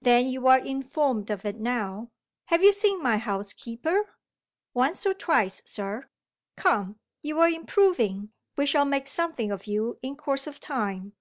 "Then you are informed of it now. Have you seen my housekeeper?" "Once or twice, sir." "Come! you're improving; we shall make something of you in course of time.